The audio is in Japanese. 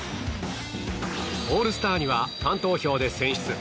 オールスターにはファン投票で選出。